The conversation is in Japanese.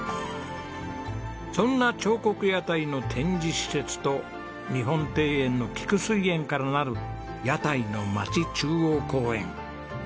そんな彫刻屋台の展示施設と日本庭園の掬翠園からなる屋台のまち中央公園。